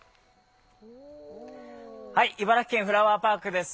茨城県、フラワーパークです。